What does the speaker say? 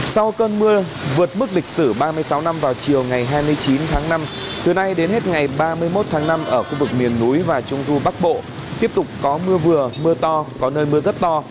sau cơn mưa vượt mức lịch sử ba mươi sáu năm vào chiều ngày hai mươi chín tháng năm từ nay đến hết ngày ba mươi một tháng năm ở khu vực miền núi và trung du bắc bộ tiếp tục có mưa vừa mưa to có nơi mưa rất to